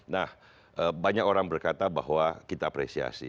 nah banyak orang berkata bahwa kita apresiasi